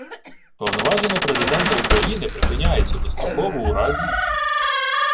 Повноваження Президента України припиняються достроково у разі: